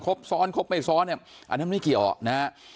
ซ้อนครบไม่ซ้อนเนี่ยอันนั้นไม่เกี่ยวนะฮะ